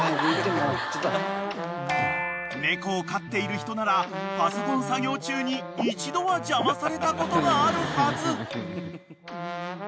［猫を飼っている人ならパソコン作業中に一度は邪魔されたことがあるはず］